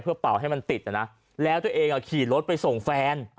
เพื่อเป่าให้มันติดอ่ะนะแล้วตัวเองก็ขี่รถไปส่งแฟนอ๋อ